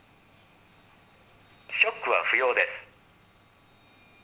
ショックは不要です。